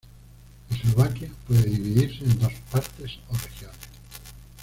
Eslovaquia puede dividirse en dos partes o regiones.